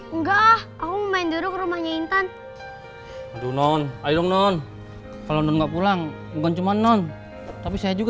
enggak aku main dulu rumahnya intan non non kalau nggak pulang bukan cuman non tapi saya juga